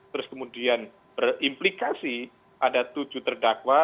terus kemudian berimplikasi ada tujuh terdakwa